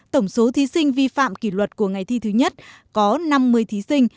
tổng số thí sinh vi phạm kỷ luật của ngày thi thứ nhất có năm mươi thí sinh